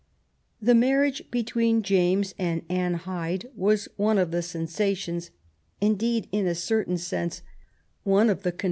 The marriage between tfames and Anne Hyde was one of the sensa tions — and indeed, in a certain sense, one of the conven 1